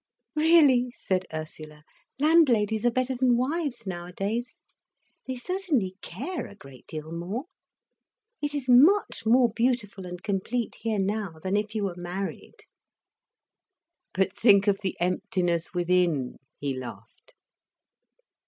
"Really," said Ursula, "landladies are better than wives, nowadays. They certainly care a great deal more. It is much more beautiful and complete here now, than if you were married." "But think of the emptiness within," he laughed.